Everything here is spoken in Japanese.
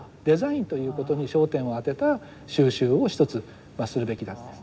デザインということに焦点を当てた蒐集をひとつするべきだと。